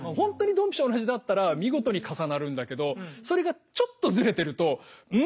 同じだったら見事に重なるんだけどそれがちょっとズレてると「ん？」